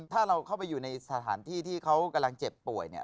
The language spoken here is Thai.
ถ้าเราเข้าไปอยู่ในสถานที่ที่เขากำลังเจ็บป่วยเนี่ย